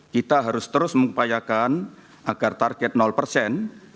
kita harus terus mengupayakan agar target persen